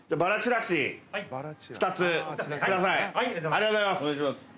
ありがとうございます。